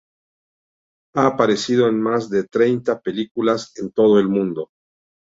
Ha aparecido en más de treinta películas en todo el mundo.